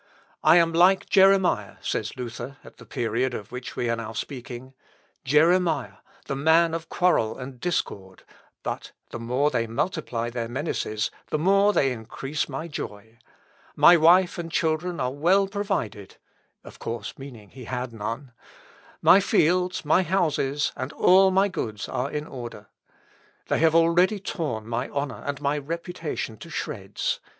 "I am like Jeremiah," says Luther, at the period of which we are now speaking; "Jeremiah, the man of quarrel and discord; but the more they multiply their menaces the more they increase my joy. My wife and children are well provided, (of course, meaning he had none;) my fields, my houses, and all my goods, are in order. They have already torn my honour and my reputation to shreds.